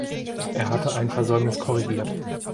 Er hatte ein Versäumnis korrigiert.